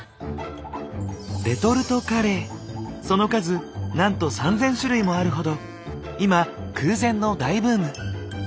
その数なんと３０００種類もあるほど今空前の大ブーム。